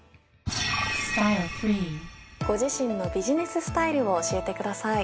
ご自身のビジネススタイルを教えてください。